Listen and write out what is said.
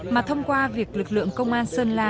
mà thông qua việc lực lượng công an sơn la